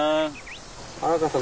原川さん